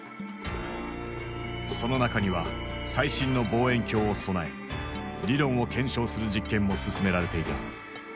その中には最新の望遠鏡を備え理論を検証する実験も進められていた。